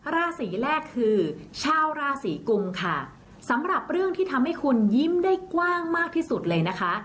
ราศีแรกคือชาวราศีกุมค่ะสำหรับเรื่องที่ทำให้คุณยิ้มได้กว้างมากที่สุดเลยนะคะ